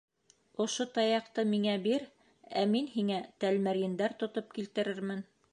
Ошо таяҡты миңә бир, ә мин һиңә тәлмәрйендәр тотоп килтерермен.